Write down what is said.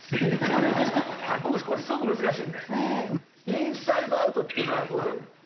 インサイドアウトっていうのはご存じ？